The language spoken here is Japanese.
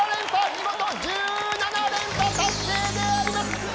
見事１７連覇達成であります！